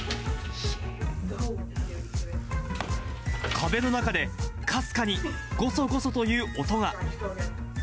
壁の中でかすかにごそごそという音が。